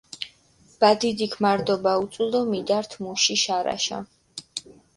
ბადიდიქ მარდობა უწუ დო მიდართჷ მუში შარაშა.